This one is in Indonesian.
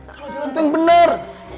kalau jalan itu yang bener